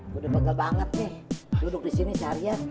mudah mudahan banget nih duduk disini seharian